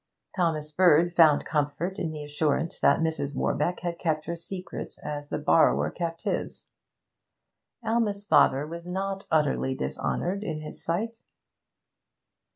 Thomas Bird found comfort in the assurance that Mrs. Warbeck had kept her secret as the borrower kept his. Alma's father was not utterly dishonoured in his sight.